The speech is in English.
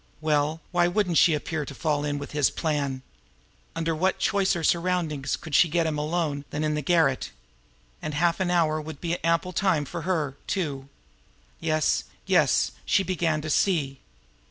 Well, why shouldn't she appear to fall in with his plans? Under what choicer surroundings could she get him alone than in the garret? And half an hour would be ample time for her, too! Yes, yes, she began to see!